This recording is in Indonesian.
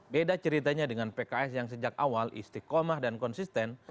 beda ceritanya dengan pks yang sejak awal istiqomah dan konsisten